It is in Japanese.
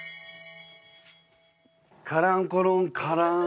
「カランコロンカラン」